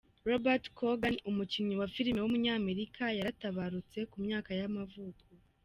Robert Coogan, umukinnyi wa filime w’umunyamerika yaratabarutse, ku myaka y’amavuko.